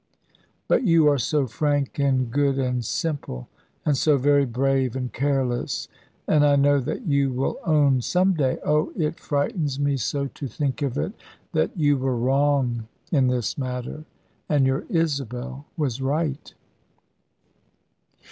But you are so frank, and good, and simple, and so very brave and careless, and I know that you will own some day oh, it frightens mo so to think of it! that you were wrong in this matter, and your Isabel was right."